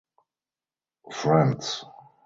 Friends.